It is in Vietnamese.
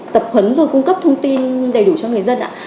tập hấn rồi cung cấp thông tin đầy đủ cho người dân